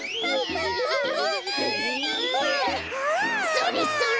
それそれ。